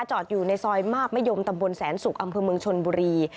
จอดอยู่ในซอยมาบมะยมตำบลแสนสุกอำเภอเมืองชนบุรี